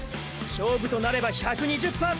勝負となれば１２０％だ！！